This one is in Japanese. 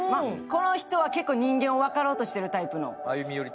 この人は人間を分かろうとしているタイプの。